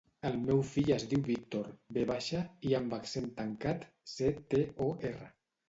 El meu fill es diu Víctor: ve baixa, i amb accent tancat, ce, te, o, erra.